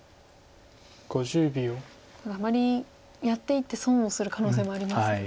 ただあまりやっていって損をする可能性もありますもんね。